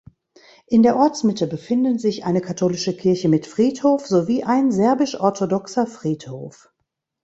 In der Ortsmitte befinden sich eine katholische Kirche mit Friedhof sowie ein serbisch-orthodoxer Friedhof.